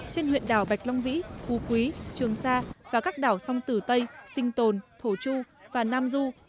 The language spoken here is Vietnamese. trên huyện đảo bạch long vĩ phù quý trường sa và các đảo sông tử tây sinh tồn thổ chu và nam du